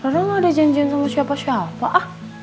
karena gak ada janjian sama siapa siapa ah